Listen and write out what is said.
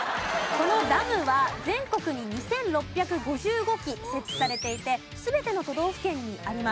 このダムは全国に２６５５基設置されていて全ての都道府県にあります。